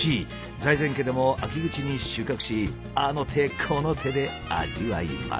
財前家でも秋口に収穫しあの手この手で味わいます。